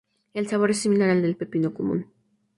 El sabor es similar al del pepino común.